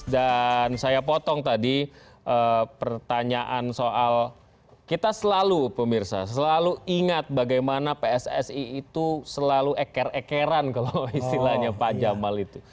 dan saya potong tadi pertanyaan soal kita selalu pemirsa selalu ingat bagaimana pssi itu selalu eker ekeran kalau istilahnya pak jamal itu